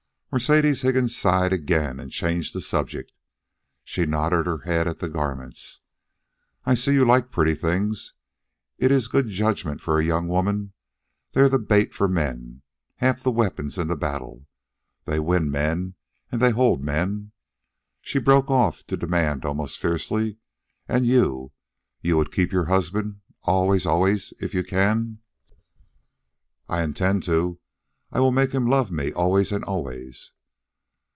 Mercedes Higgins sighed again and changed the subject. She nodded her head at the garments. "I see you like pretty things. It is good judgment for a young woman. They're the bait for men half the weapons in the battle. They win men, and they hold men " She broke off to demand almost fiercely: "And you, you would keep your husband? always, always if you can?" "I intend to. I will make him love me always and always."